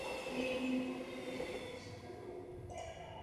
La ventaja reside en que finalmente sobrevive la prole de la hembra más fuerte.